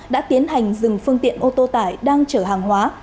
đã tiến hành dừng phương tiện ô tô tải đang chở hàng hóa